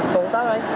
tổng tác anh